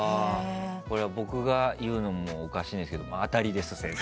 僕が言うのもおかしいですが当たりです、先生。